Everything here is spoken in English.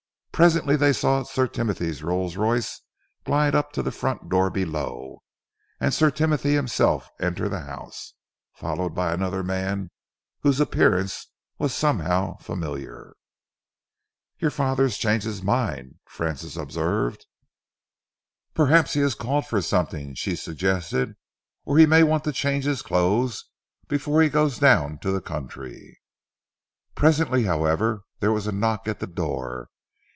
Presently they saw Sir Timothy's Rolls Royce glide up to the front door below and Sir Timothy himself enter the house, followed by another man whose appearance was somehow familiar. "Your father has changed his mind," Francis observed. "Perhaps he has called for something," she suggested, "or he may want to change his clothes before he goes down to the country." Presently, however, there was a knock at the door.